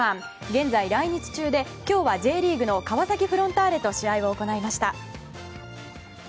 現在、来日中で今日はＪリーグの川崎フロンターレと試合を行いました。